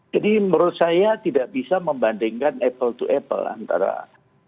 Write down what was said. jadi menurut saya tidak bisa membandingkan apple to apple antara tni dan polri